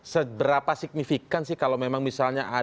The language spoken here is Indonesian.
seberapa signifikan sih kalau memang misalnya ada yang mau berbicara